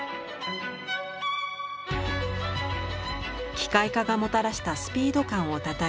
機械化がもたらしたスピード感をたたえ